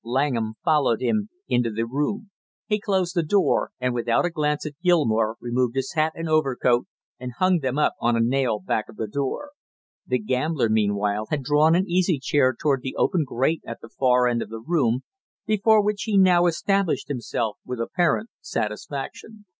Langham followed him into the room; he closed the door, and without a glance at Gilmore removed his hat and overcoat and hung them up on a nail back of the door; the gambler meanwhile had drawn an easy chair toward the open grate at the far end of the room, before which he now established himself with apparent satisfaction.